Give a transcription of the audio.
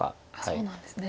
そうなんですね。